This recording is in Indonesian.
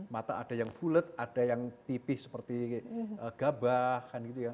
mata ada yang bulet ada yang tipis seperti gabah